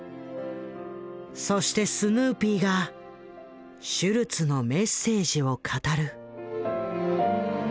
そしてスヌーピーがシュルツのメッセージを語る。